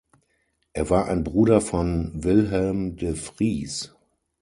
Er war ein Bruder von Wilhelm de Vries.